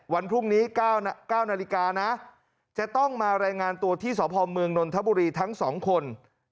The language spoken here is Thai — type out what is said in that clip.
วันพรุ่งนี้๙นาฬิกานะจะต้องมารายงานตัวที่สพเมืองนนทบุรีทั้ง๒คน